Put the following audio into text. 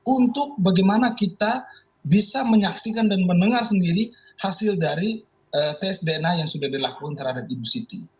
untuk bagaimana kita bisa menyaksikan dan mendengar sendiri hasil dari tes dna yang sudah dilakukan terhadap ibu siti